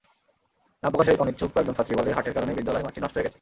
নাম প্রকাশে অনিচ্ছুক কয়েকজন ছাত্রী বলে, হাটের কারণে বিদ্যালয় মাঠটি নষ্ট হয়ে গেছে।